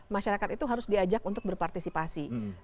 masyarakat itu harus diajak untuk berpartisipasi